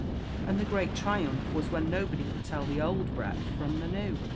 and the great triumph was when nobody could tell the old breadth from the new.